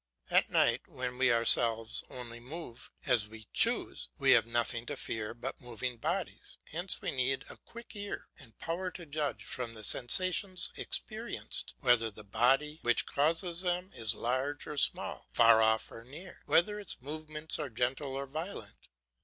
At night, when we ourselves only move as we choose, we have nothing to fear but moving bodies; hence we need a quick ear, and power to judge from the sensations experienced whether the body which causes them is large or small, far off or near, whether its movements are gentle or violent.